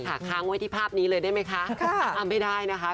หางไว้ที่ภาพนี้เลยได้ไหมคะ